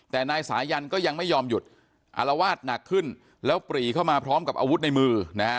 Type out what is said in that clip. แต่นายสายันก็ยังไม่ยอมหยุดอารวาสหนักขึ้นแล้วปรีเข้ามาพร้อมกับอาวุธในมือนะฮะ